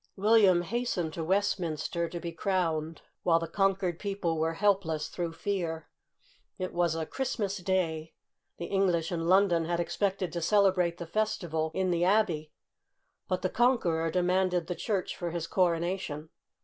William hastened to Westminster to be crowned while the conquered people were helpless through fear. It was a Christmas Day. The English in London had expected to celebrate the festival in the Abbey, but the Conqueror demanded the church for his coronation.